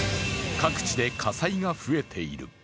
各地で火災が増えている。